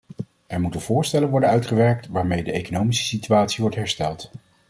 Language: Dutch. Er moeten voorstellen worden uitgewerkt waarmee de economische situatie wordt hersteld.